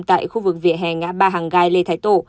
tại khu vực vỉa hè ngã ba hàng gai lê thái tổ